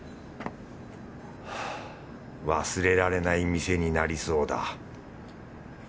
忘れられない店になりそうだ。